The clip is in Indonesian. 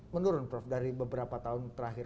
menurun prof dari beberapa tahun terakhir